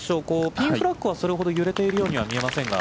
ピンフラッグはそれほど揺れているようには見えませんが。